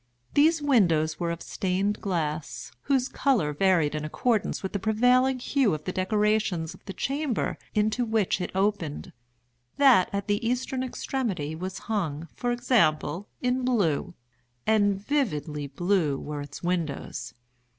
These windows were of stained glass whose color varied in accordance with the prevailing hue of the decorations of the chamber into which it opened. That at the eastern extremity was hung, for example, in blue—and vividly blue were its windows.